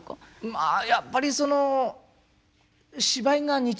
まあやっぱりそのま